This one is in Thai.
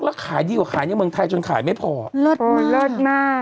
แล้วขายดีกว่าขายในเมืองไทยจนขายไม่พอเลิศมันเลิศมาก